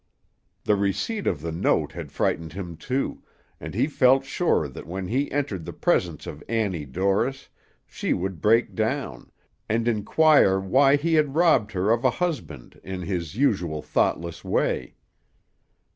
The receipt of the note had frightened him, too, and he felt sure that when he entered the presence of Annie Dorris, she would break down, and inquire why he had robbed her of a husband in his usual thoughtless way.